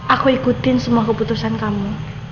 aku ikutin semua keputusan kamu